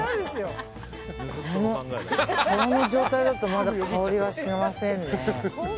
この状態だとまだ香りはしませんね。